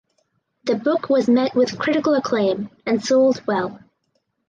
The book was met with critical acclaim and sold well.